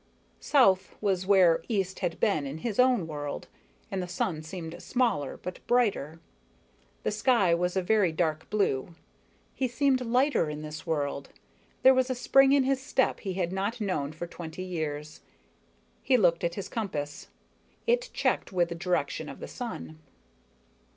South was where east had been in his own world, and the sun seemed smaller, but brighter. The sky was a very dark blue. He seemed lighter in this world, there was a spring in his step he had not known for twenty years. He looked at his compass. It checked with the direction of the sun.